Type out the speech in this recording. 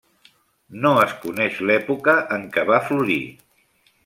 No es coneix l'època en què va florir.